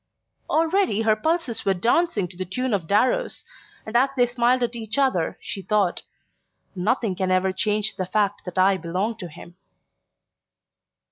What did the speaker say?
Already her pulses were dancing to the tune of Darrow's, and as they smiled at each other she thought: "Nothing can ever change the fact that I belong to him."